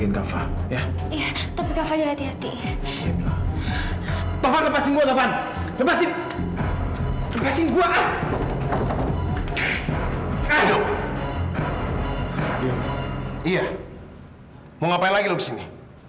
mau ngapain lagi lo di sini